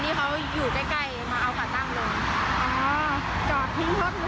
ทีนี้เขาอยู่ใกล้มาเอาขวาตั้งเลย